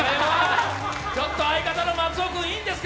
ちょっと相方の松尾君、いいんですか？